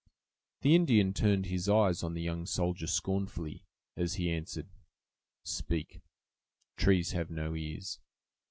The Indian turned his eyes on the young soldier scornfully, as he answered: "Speak; trees have no ears."